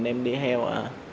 em đi theo